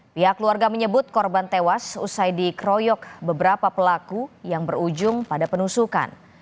pihak keluarga menyebut korban tewas usai dikeroyok beberapa pelaku yang berujung pada penusukan